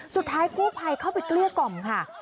สุดท้ายกู้ภัยเข้าไปเกลี้ยกล่อมค่ะ